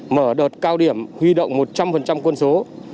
mở đợt cao điểm huy động một trăm linh quân số